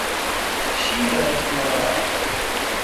شیر مادر